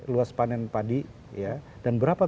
luas panen padi dan berapa